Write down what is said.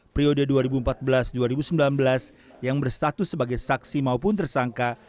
periode dua ribu empat belas dua ribu sembilan belas yang berstatus sebagai saksi maupun tersangka